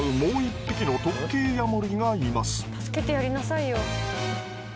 助けてやりなさいよ。